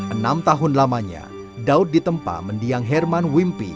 enam tahun lamanya daud ditempa mendiang herman wimpi